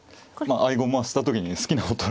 合駒した時に好きな方と。